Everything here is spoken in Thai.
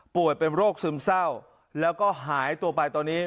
ปวดเป็นโรครสึมเศร้าแล้วก็หายไปตัวป่านตอนนี้